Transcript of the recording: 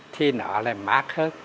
thì nó lại mát hơn